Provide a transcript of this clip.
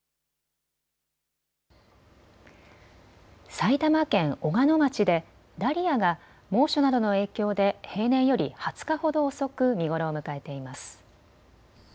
埼玉県小鹿野町でダリアが猛暑などの影響で平年より２０日ほど遅く見頃を迎えています。